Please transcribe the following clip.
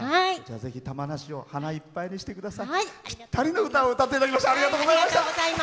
ぜひ、玉名市を花いっぱいにしてください。